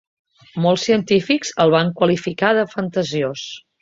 Molts científics el van qualificar de fantasiós.